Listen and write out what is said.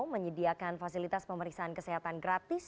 menyediakan fasilitas pemeriksaan kesehatan gratis